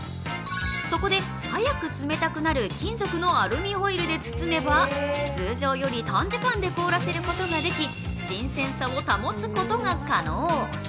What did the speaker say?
そこで、早く冷たくなる金属のアルミホイルで包めば通常より短時間で凍らせることができ、新鮮さを保つことが可能。